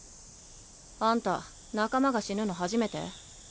あんた仲間が死ぬの初めて？